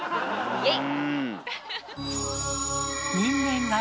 イエイ！